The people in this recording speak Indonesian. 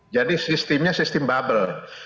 jadi sistemnya sistem bubble